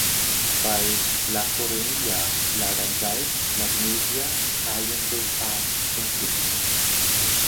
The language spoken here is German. Bei La Coronilla lagern Salz, Magnesia, Kaliumsulfat und Gips.